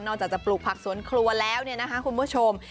จากจะปลูกผักสวนครัวแล้วเนี่ยนะคะคุณผู้ชม